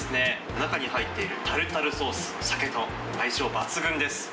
中に入っているタルタルソース、シャケと相性抜群です。